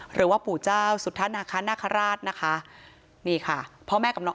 หรือว่าปู่เจ้าสุธนาคาราชนะคะนี่ค่ะ